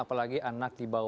apalagi anak di bawah